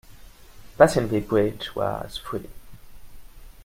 Passing the bridge was free.